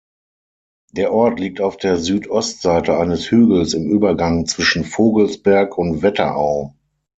Der Ort liegt auf der Südostseite eines Hügels im Übergang zwischen Vogelsberg und Wetterau.